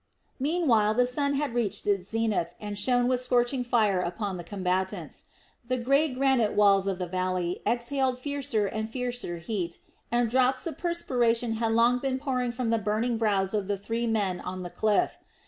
Meanwhile the sun had reached its zenith and shone with scorching fire upon the combatants. The grey granite walls of the valley exhaled fiercer and fiercer heat and drops of perspiration had long been pouring from the burning brows of the three men on the cliff.